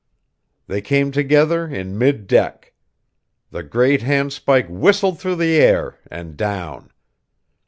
They came together in mid deck. The great handspike whistled through the air, and down.